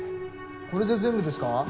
これで全部ですか？